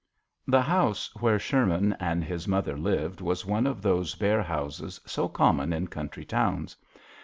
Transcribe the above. (HE house where Sher man and his mother lived was one of those bare houses so common in country towns.